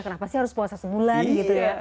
kenapa sih harus puasa sebulan gitu ya